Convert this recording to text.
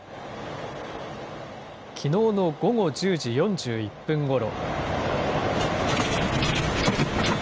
きのうの午後１０時４１分ごろ。